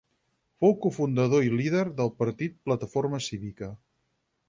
Fou cofundador i líder del partit Plataforma Cívica.